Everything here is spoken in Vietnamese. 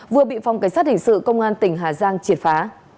vừa bị phòng cảnh sát hình sự công an tỉnh hà giang triệt phá